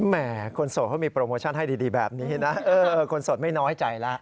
แม่คนโสดเขามีโปรโมชั่นให้ดีแบบนี้นะคนโสดไม่น้อยใจแล้ว